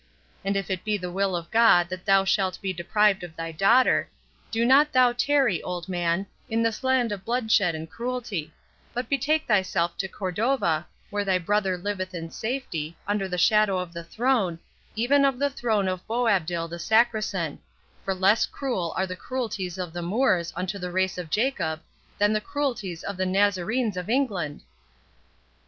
And if it be the will of God that thou shalt be deprived of thy daughter, do not thou tarry, old man, in this land of bloodshed and cruelty; but betake thyself to Cordova, where thy brother liveth in safety, under the shadow of the throne, even of the throne of Boabdil the Saracen; for less cruel are the cruelties of the Moors unto the race of Jacob, than the cruelties of the Nazarenes of England."